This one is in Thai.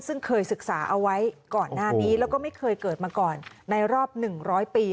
ซึ่งเคยศึกษาเอาไว้ก่อนหน้านี้แล้วก็ไม่เคยเกิดมาก่อนในรอบ๑๐๐ปี